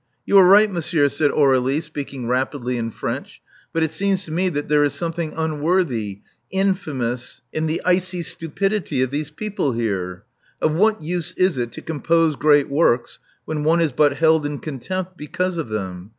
"You are right, monsieur," said Aurdlie, speaking rapidly in French. "But it seems to me that there is something unworthy — infamous, in the icy stupidity of these people here. Of what use is it to compose great works when one is but held in contempt because of them?